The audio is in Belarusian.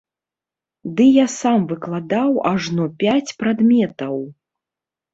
Ды я сам выкладаў ажно пяць прадметаў!